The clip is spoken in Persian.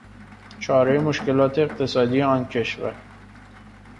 چارهی مشکلات اقتصادی آن کشور